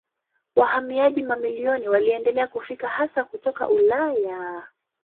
Wahamiaji mamilioni waliendelea kufika hasa kutoka Ulaya.